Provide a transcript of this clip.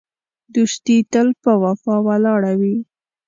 دوستي تل په وفا ولاړه وي.